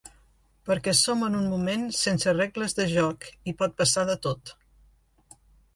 Perquè som en un moment sense regles de joc, i pot passar de tot.